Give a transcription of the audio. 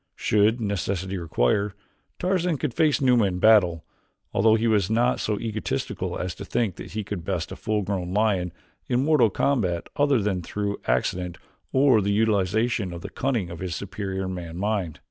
Should necessity require, Tarzan could face Numa in battle, although he was not so egotistical as to think that he could best a full grown lion in mortal combat other than through accident or the utilization of the cunning of his superior man mind.